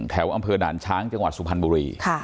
แถวอำเภอด่านช้างจังหวัดสุพรรณบุรี